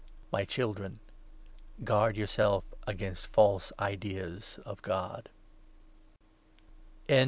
My Children, guard yourselves against false ideas 21 of God.